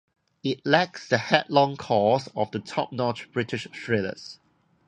It lacks the headlong course of the top-notch British thrillers.